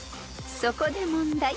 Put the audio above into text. ［そこで問題］